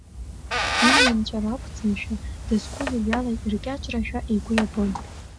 Имҩа нҵәара ақәӡамшәа, дызқәыз уиала иркьаҿрашәа игәы иабон.